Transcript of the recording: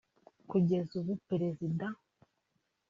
kugeza ubu Perezida